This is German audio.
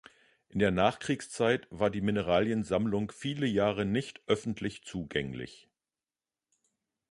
In der Nachkriegszeit war die Mineraliensammlung viele Jahre nicht öffentlich zugänglich.